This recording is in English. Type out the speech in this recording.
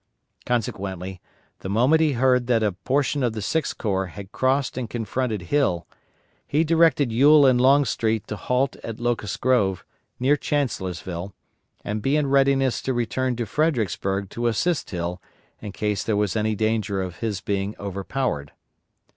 Consequently, the moment he heard that a portion of the Sixth Corps had crossed and confronted Hill, he directed Ewell and Longstreet to halt at Locust Grove, near Chancellorsville, and be in readiness to return to Fredericksburg to assist Hill in case there was any danger of his being overpowered.